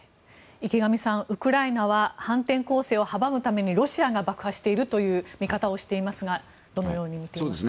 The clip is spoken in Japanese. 池上さん、ウクライナは反転攻勢を阻むためにロシアが爆破しているという見方をしていますがどのように見ていますか？